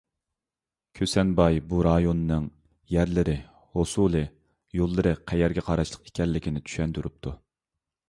كۈسەنباي بۇ رايوننىڭ يەرلىرى، ھوسۇلى، يوللىرى، قەيەرگە قاراشلىق ئىكەنلىكىنى چۈشەندۈرۈپتۇ.